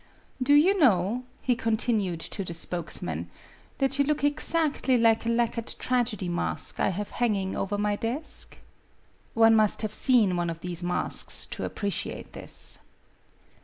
"Do you know," he continued to the spokesman, "that you look exactly like a lacquered tragedy mask 1 have hanging over my desk ?' io MADAME BUTTERFLY One must have seen one of these masks to appreciate this.